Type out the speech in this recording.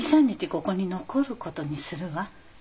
ここに残ることにするわ。